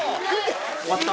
終わった？